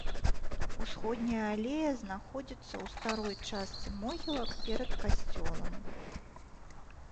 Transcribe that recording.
Усходняя алея знаходзіцца ў старой частцы могілак перад касцёлам.